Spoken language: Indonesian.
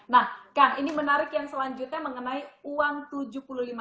nah kang ini menarik yang selanjutnya mengenai uang rp tujuh puluh lima